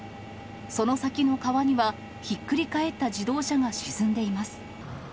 その先の川には、ひっくり返った自動車が沈んでいます。